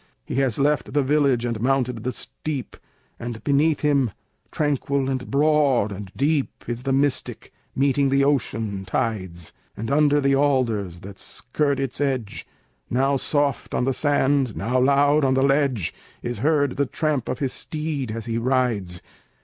He has left the village and mounted the steep, And beneath him, tranquil and broad and deep, Is the Mystic, meeting the ocean tides; And under the alders, that skirt its edge, Now soft on the sand, now loud on the ledge, Is heard the tramp of the steed as he rides.